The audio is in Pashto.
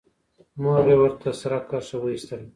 مور يې ورته سره کرښه وايستله.